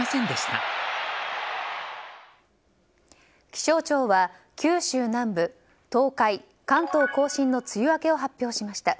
気象庁は、九州南部、東海関東・甲信の梅雨明けを発表しました。